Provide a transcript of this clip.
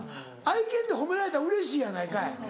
愛犬って褒められたらうれしいやないかい。